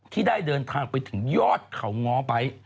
ที่ได้เดินทางไปถึงยอดเขาง้อไป